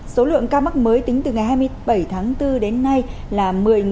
số lượng ca mắc mới tính từ ngày hai mươi bảy tháng bốn đến nay là